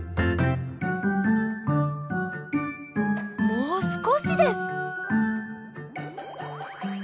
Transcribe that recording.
もうすこしです！